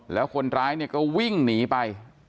แล้วคนร้ายเนี่ยก็วิ่งหนีไป